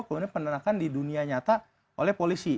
kemudian penerakan di dunia nyata oleh polisi